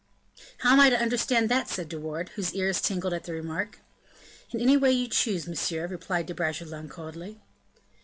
"How am I to understand that?" said De Wardes, whose ears tingled at the remark. "In any way you chose, monsieur," replied De Bragelonne, coldly.